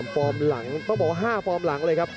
ฟอร์มหลังต้องบอกว่า๕ฟอร์มหลังเลยครับ